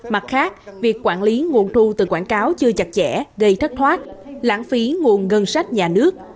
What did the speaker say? mặt khác việc quản lý nguồn thu từ quảng cáo chưa chặt chẽ gây thất thoát lãng phí nguồn ngân sách nhà nước